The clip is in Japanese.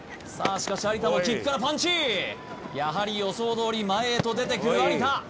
しかし有田もキックからパンチやはり予想どおり前へと出てくる有田